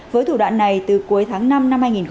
với thủ đoạn này từ cuối tháng năm năm hai nghìn hai mươi